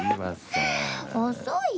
遅い！